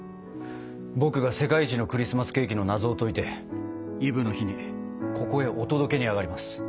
僕が世界一のクリスマスケーキの謎を解いてイブの日にここへお届けにあがります。